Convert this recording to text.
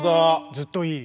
ずっといい。